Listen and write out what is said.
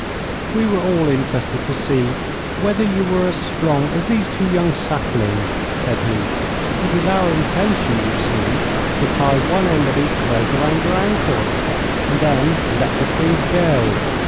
'We were all interested to see whether you were as strong as these two young saplings,' said he. 'It is our intention, you see, to tie one end of each rope round your ankles and then let the trees go.